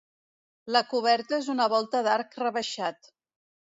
La coberta és una volta d'arc rebaixat.